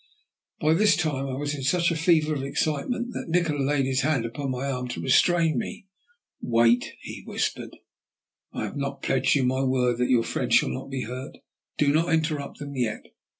By this time I was in such a fever of excitement that Nikola laid his hand upon my arm to restrain me. "Wait," he whispered. "Have I not pledged you my word that your friend shall not be hurt? Do not interrupt them yet.